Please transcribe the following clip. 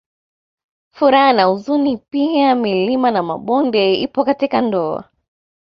Furaha na huzuni pia milima na mabonde ipo katika ndoa